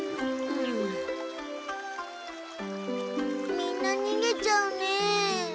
みんなにげちゃうね。